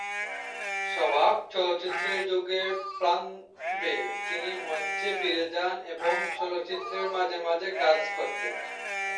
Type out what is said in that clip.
সবাক চলচ্চিত্র যুগের প্রারম্ভে তিনি মঞ্চে ফিরে যান এবং চলচ্চিত্রে মাঝে মাঝে কাজ করতেন।